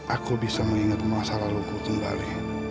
aku bisa mengingat masalah luku kembali